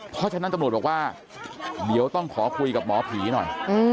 เพราะฉะนั้นตำรวจบอกว่าเดี๋ยวต้องขอคุยกับหมอผีหน่อย